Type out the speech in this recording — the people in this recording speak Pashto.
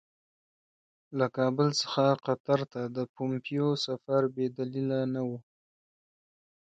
له کابل څخه قطر ته د پومپیو سفر بې دلیله نه وو.